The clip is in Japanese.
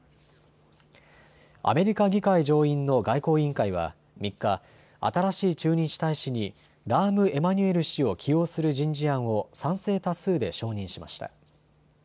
アメリカ議会上院の外交委員会は３日、新しい駐日大使にラーム・エマニュエル氏を起用する人事案を賛成多数で承認しました。